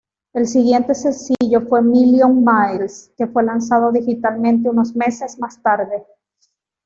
El siguiente sencillo fue "Million Miles", que fue lanzado digitalmente unos meses más tarde.